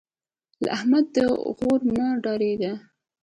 له احمد د غور مه ډارېږه.